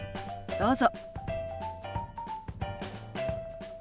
どうぞ。